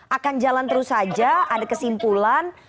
akan jalan terus saja ada kesimpulan